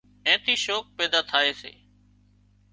اين ٿي شوق پيدا ٿائي سي